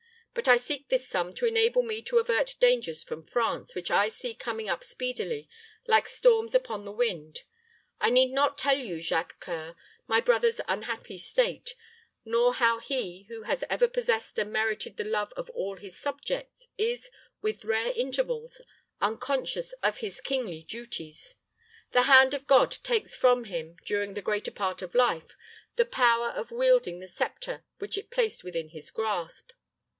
But I seek this sum to enable me to avert dangers from France, which I see coming up speedily, like storms upon the wind. I need not tell you, Jacques C[oe]ur, my brother's unhappy state, nor how he, who has ever possessed and merited the love of all his subjects, is, with rare intervals, unconscious of his kingly duties. The hand of God takes from him, during the greater part of life, the power of wielding the sceptre which it placed within his grasp."